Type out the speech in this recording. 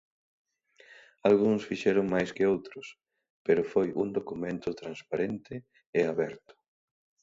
Algúns fixeron máis que outros, pero foi un documento transparente e aberto.